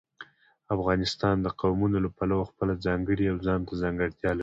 افغانستان د قومونه له پلوه خپله ځانګړې او ځانته ځانګړتیا لري.